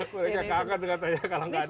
saya kaget dengan tanya kalau nggak ada itu